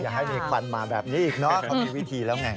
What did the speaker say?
ให้มีควันมาแบบนี้อีกเนอะเขามีวิธีแล้วไง